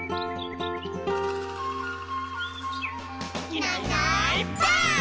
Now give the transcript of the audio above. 「いないいないばあっ！」